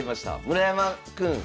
「村山君